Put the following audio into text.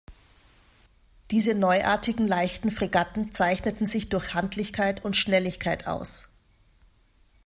Diese neuartigen leichten Fregatten zeichneten sich durch Handlichkeit und Schnelligkeit aus.